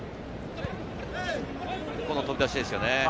この飛び出しですよね。